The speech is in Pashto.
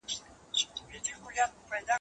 پردى تخت نن كه سبا وي د پردو دئ.